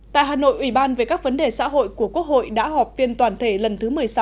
tại hà nội ủy ban về các vấn đề xã hội của quốc hội đã họp phiên toàn thể lần thứ một mươi sáu